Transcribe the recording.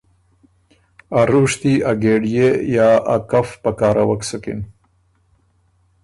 ا رُوشتي، ا ګېډيې یا ا کف پکاروَک سُکِن۔